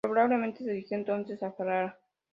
Probablemente se dirigió entonces a Ferrara.